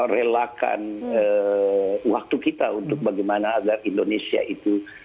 relakan waktu kita untuk bagaimana agar indonesia itu